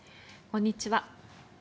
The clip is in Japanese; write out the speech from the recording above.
こんにちは。